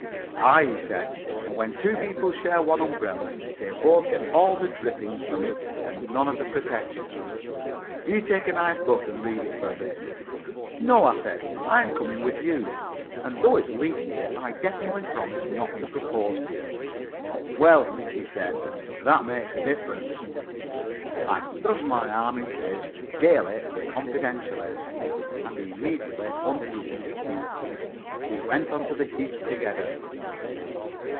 "Aye," he said, "and when two people share one umbrella, they both get all the drippings from it and none of the protection. You take a nice book and read for a bit." "No," I said. "I'm coming with you, and though it's Leap Year, I definitely promise not to propose to you." "Well," he said, "that makes a difference." I thrust my arm into his gaily and confidentially, and he immediately unhooked. We went on to the Heath together.